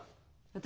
私？